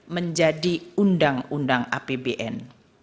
menjadi undang undang apbn